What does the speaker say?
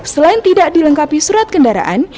selain tidak dilengkapi surat kendaraan